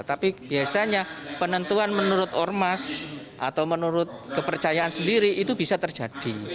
tapi biasanya penentuan menurut ormas atau menurut kepercayaan sendiri itu bisa terjadi